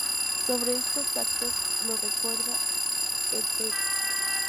Sobre estos actos lo recuerda el Pbro.